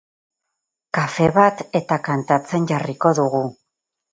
Kafe bat eta kantatzen jarriko dugu.